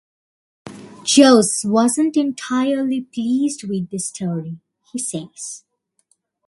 "Joss wasn't entirely pleased with this story," he says.